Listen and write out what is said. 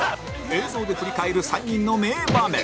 映像で振り返る３人の名場面